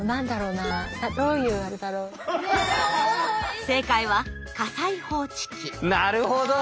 なるほど！